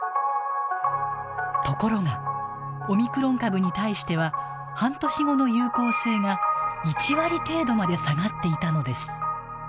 ところがオミクロン株に対しては半年後の有効性が１割程度まで下がっていたのです。